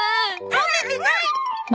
褒めてない！